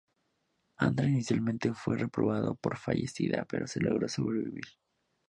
Andra inicialmente fue reportada como fallecida, pero logró sobrevivir.